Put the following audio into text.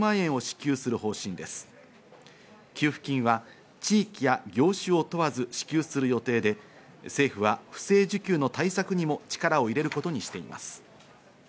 給付金は地域や業種を問わず支給する予定で、政府は不正受給の対策にも力を入れることにしています。